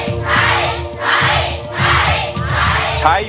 ใช้ใช้ใช้ใช้ใช้ใช้ใช้ใช้ใช้